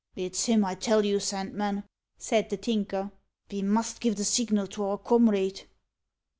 "It's him, I tell you, Sandman," said the Tinker. "Ve must give the signal to our comrade."